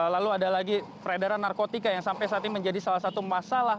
lalu ada lagi peredaran narkotika yang sampai saat ini menjadi salah satu masalah